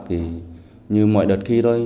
thì như mọi đợt khi thôi